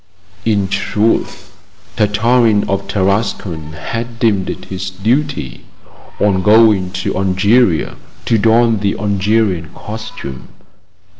In truth, Tartarin of Tarascon had deemed it his duty, on going to Algeria, to don the Algerian costume.